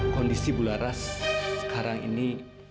kondisi bularas sekarang ini